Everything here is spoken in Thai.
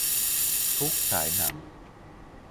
ทุกฉายหนัง